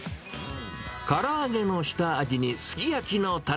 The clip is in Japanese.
から揚げの下味にすき焼きのたれ。